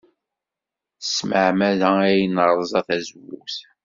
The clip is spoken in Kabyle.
S tmeɛmada ay nerẓa tazewwut.